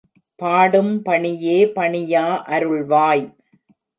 பாடும் பணியே பணியா அருள்வாய்.